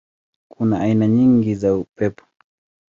Kuna aina nyingi za upepo.